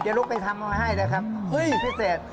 จะลุกไปทำมาให้นะครับพิเศษ